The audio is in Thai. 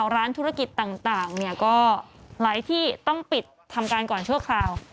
ร้านธุรกิจต่างก็หลายที่ต้องปิดทำการก่อนชั่วคราว